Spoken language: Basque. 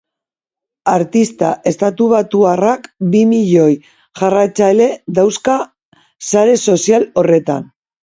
Artista estatubatuarrak bi milioi jarraitzaile dauzka sare sozial horretan.